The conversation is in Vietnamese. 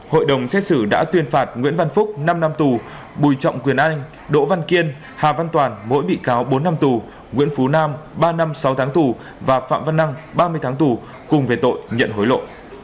hội đồng xét xử đã tuyên phạt nguyễn văn phúc năm năm tù bùi trọng quyền anh đỗ văn kiên hà văn toàn mỗi bị cáo bốn năm tù nguyễn phú nam ba năm sáu tháng tù và phạm văn năng ba mươi tháng tù cùng về tội nhận hối lộ